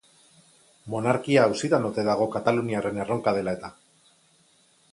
Monarkia auzitan ote dago kataluniarren erronka dela eta?